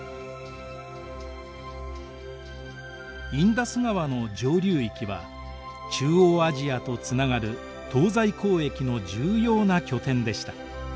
インダス川の上流域は中央アジアとつながる東西交易の重要な拠点でした。